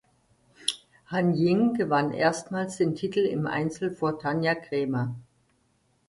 Han Ying gewann erstmals den Titel im Einzel vor Tanja Krämer.